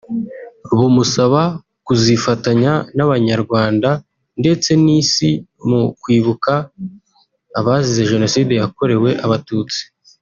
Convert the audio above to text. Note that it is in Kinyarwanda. bumusaba kuzifatanya n’abanyarwanda ndetse n’isi mu kwibuka abazize Jenoside yakorewe Abatutsi